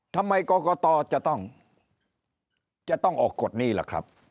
ทำไมกรกตจะต้องออกกฎนี้หรือครับ